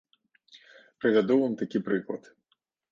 Прывяду вам такі прыклад.